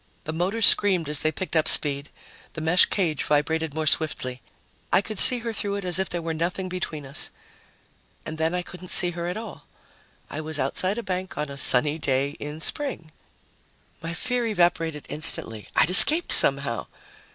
The motors screamed as they picked up speed; the mesh cage vibrated more swiftly; I could see her through it as if there were nothing between us. And then I couldn't see her at all. I was outside a bank on a sunny day in spring. My fear evaporated instantly I'd escaped somehow!